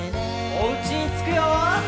おうちにつくよ！